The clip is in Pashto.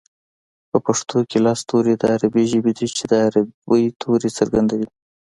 په پښتو کې لس توري د عربۍ ژبې دي چې د عربۍ توري څرګندوي